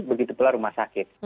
begitu pula rumah sakit